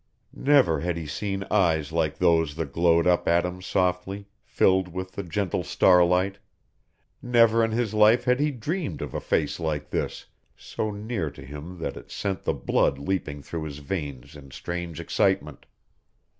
Never had he seen eyes like those that glowed up at him softly, filled with the gentle starlight; never in his life had he dreamed of a face like this, so near to him that it sent the blood leaping through his veins in strange excitement.